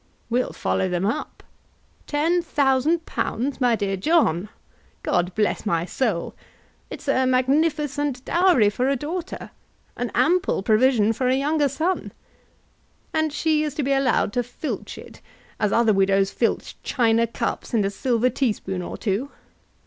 "We'll follow them up. £10,000, my dear John! God bless my soul! it's a magnificent dowry for a daughter, an ample provision for a younger son. And she is to be allowed to filch it, as other widows filch china cups, and a silver teaspoon or two!